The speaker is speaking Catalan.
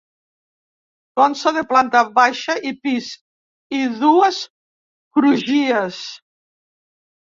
Consta de planta baixa i pis i dues crugies.